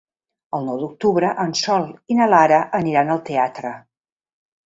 El nou d'octubre en Sol i na Lara aniran al teatre.